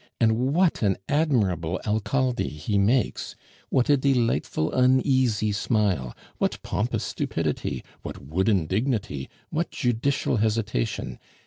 And what an admirable Alcalde he makes! What a delightful, uneasy smile! what pompous stupidity! what wooden dignity! what judicial hesitation!